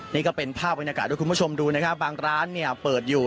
นี่ก็เป็นภาพบรรยากาศด้วยคุณผู้ชมดูนะครับบางร้านเนี่ยเปิดอยู่